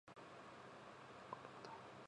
女の嘘は許すのが男だ